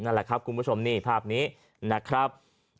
นั่นแหละครับคุณผู้ชมนี่ภาพนี้นะครับ